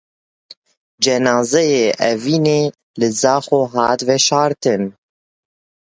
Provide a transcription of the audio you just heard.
Cenazeyê Evînê li Zaxo hat veşartin.